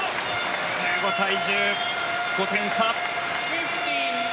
１５対１０、５点差。